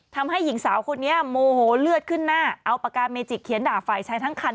ทำให้หญิงสาวคนนี้โมโหเลือดขึ้นหน้าเอาปากกาเมจิกเขียนด่าฝ่ายชายทั้งคัน